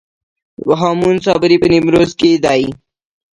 هامون صابري په نیمروز کې دی